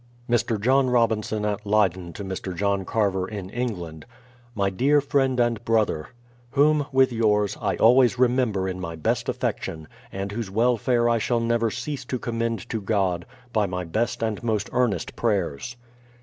il/r. John Robinson at Leyden to Mr. JoJin Carver in England: My dear Friend and Brother. Whom, with j^ours, I always remember In my best affection, and whose welfare I shall never cease to commend to God, by my best and most earnest prayers.